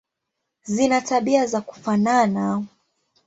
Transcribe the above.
Zina tabia za kufanana.